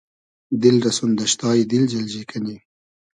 دیل رۂ سون دئشتای دیل جئلجی کئنی